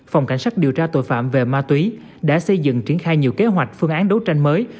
phòng cảnh sát điều tra tội phạm về ma túy đã xây dựng triển khai nhiều kế hoạch phương án đấu tranh mới